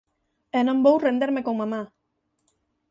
E non vou renderme con mamá.